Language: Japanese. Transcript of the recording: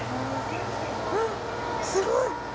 うわっすごい！